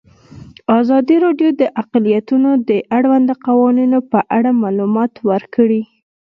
ازادي راډیو د اقلیتونه د اړونده قوانینو په اړه معلومات ورکړي.